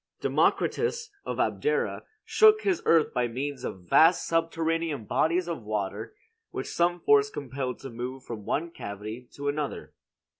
Democritus, of Abdera, shook his earth by means of vast subterranean bodies of water which some force compelled to move from one cavity to another.